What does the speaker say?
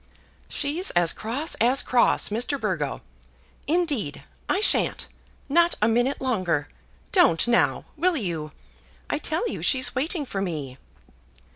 "She's as cross as cross, Mr. Burgo. Indeed, I shan't; not a minute longer. Don't, now; will you? I tell you she's waiting for me."